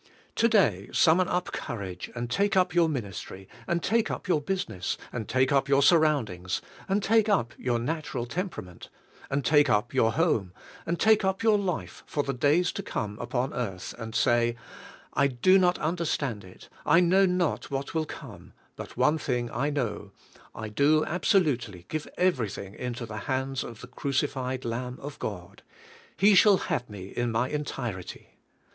To day, summon up courage and take up your minis try, and take up your business, and take up yv^ur surroundings, and take up 3'our natural temper ament, and take up your home, and take up j^our life for the days to come upon earth, and say, "I do not understand it, I know not what will come, but one thing I know, I do absolutely give every thing into the hands of the crucified Lamb of God; He shall have me in my entirety."